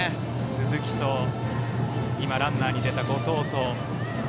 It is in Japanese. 鈴木とランナーに出た後藤と。